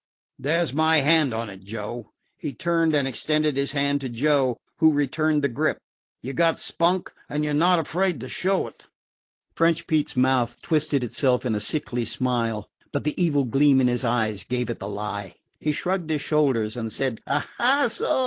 There 's my hand on it, Joe." He turned and extended his hand to Joe, who returned the grip. "You 've got spunk and you 're not afraid to show it." French Pete's mouth twisted itself in a sickly smile, but the evil gleam in his eyes gave it the lie. He shrugged his shoulders and said, "Ah! So?